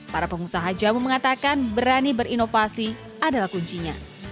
para pengusaha jamu mengatakan berani berinovasi adalah kuncinya